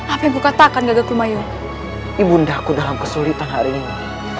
apa yang kukatakan gagal mayom ibunda aku dalam kesulitan hari ini